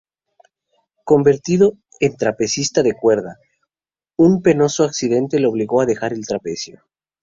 Convertido en trapecista de cuerda, un penoso accidente le obligó a dejar el trapecio.